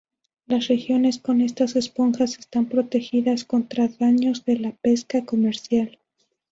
Las regiones con estas esponjas están protegidas contra daños de la pesca comercial.